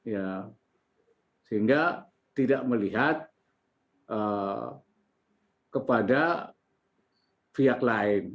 ya sehingga tidak melihat kepada pihak lain